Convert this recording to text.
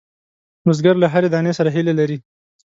بزګر له هرې دانې سره هیله لري